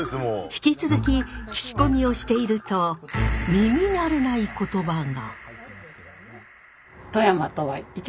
引き続き聞き込みをしていると耳慣れない言葉が。